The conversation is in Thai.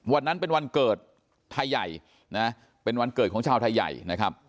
วันนั้นเป็นวันเกิดไทยใหญ่นะเป็นวันเกิดของชาวไทยใหญ่นะครับ